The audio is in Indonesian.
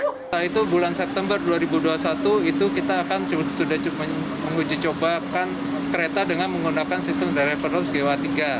setelah itu bulan september dua ribu dua puluh satu itu kita akan sudah menguji cobakan kereta dengan menggunakan sistem driverles go tiga